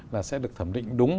là sẽ được thẩm định đúng